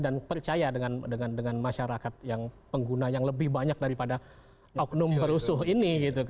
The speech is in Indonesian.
dan percaya dengan masyarakat yang pengguna yang lebih banyak daripada oknum berusuh ini